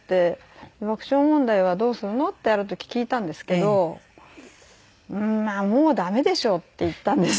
「爆笑問題はどうするの？」ってある時聞いたんですけど「うーんもうダメでしょ」って言ったんです。